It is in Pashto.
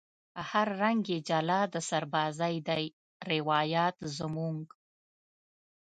هر رنگ یې جلا د سربازۍ دی روایت زموږ